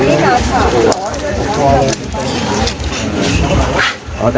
คือนัดกันไว้